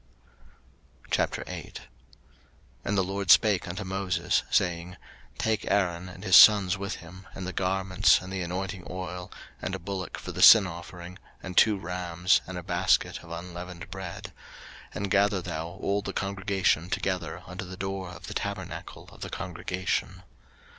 03:008:001 And the LORD spake unto Moses, saying, 03:008:002 Take Aaron and his sons with him, and the garments, and the anointing oil, and a bullock for the sin offering, and two rams, and a basket of unleavened bread; 03:008:003 And gather thou all the congregation together unto the door of the tabernacle of the congregation.